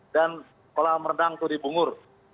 dan kolam rendang itu di bungur